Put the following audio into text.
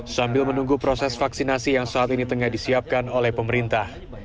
sambil menunggu proses vaksinasi yang saat ini tengah disiapkan oleh pemerintah